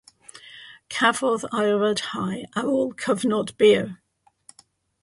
Cafodd ei ryddhau ar ôl cyfnod byr.